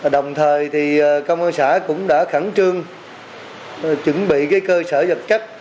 đồng thời thì công an xã cũng đã khẳng trương chuẩn bị cơ sở vật chất